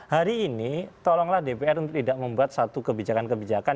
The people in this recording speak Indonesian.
hari ini tolonglah dpr untuk tidak membuat satu kebijakan kebijakan